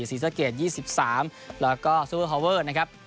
ศรีสะเกียจยี่สิบสามแล้วก็ซูเปอร์ฮอเวอร์นะครับ